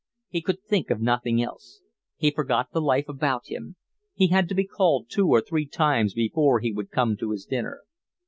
He could think of nothing else. He forgot the life about him. He had to be called two or three times before he would come to his dinner.